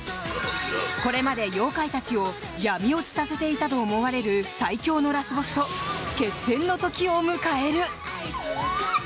これまで妖怪たちを闇落ちさせていたと思われる最恐のラスボスと決戦の時を迎える。